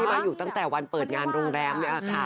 มาอยู่ตั้งแต่วันเปิดงานโรงแรมนี่แหละค่ะ